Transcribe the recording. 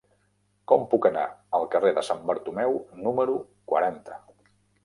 Com puc anar al carrer de Sant Bartomeu número quaranta?